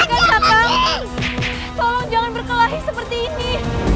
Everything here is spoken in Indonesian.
tolong jangan berkelahi seperti ini